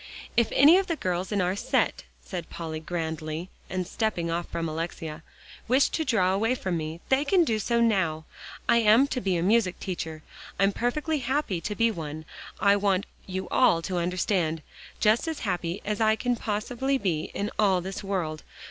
"If any of the girls in our set," said Polly grandly, and stepping off from Alexia, "wish to draw away from me, they can do so now. I am to be a music teacher; I'm perfectly happy to be one, I want you all to understand. Just as happy as I can possibly be in all this world.